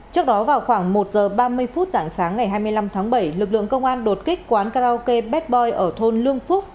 trước đó vào khoảng một giờ ba mươi phút dạng sáng ngày hai mươi năm tháng bảy lực lượng công an đột kích quán karaoke betboy ở thôn lương phúc